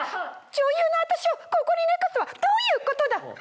女優の私をここに寝かすとはどういうことだ！